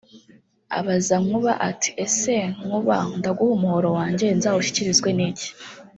abaza Nkuba ati “Ese Nkuba ndaguha umuhoro wanjye nzawushyikirizwe n’iki